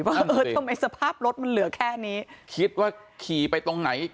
ว่าเออทำไมสภาพรถมันเหลือแค่นี้คิดว่าขี่ไปตรงไหน